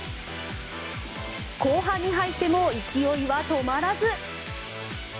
後半に入っても勢いは止まらず。